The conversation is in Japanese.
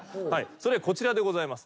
それこちらでございます。